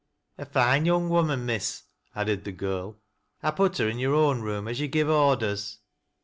" A fine looking young woman, Miss," added the girl ' I put her into your own room, as you give o^dei s."